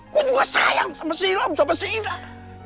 gue juga sayang sama si ilham sama si indah